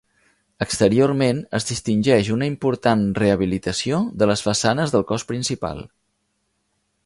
Exteriorment es distingeix una important rehabilitació de les façanes del cos principal.